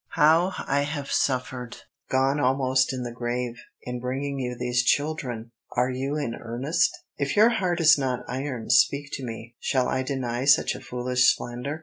How I have suffered, gone almost in the grave, in bringing you these children! Are you in earnest? "If your heart is not iron, speak to me; shall I deny such a foolish slander?